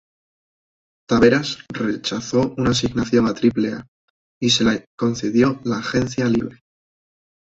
Taveras rechazó una asignación a Triple A y se le concedió la agencia libre.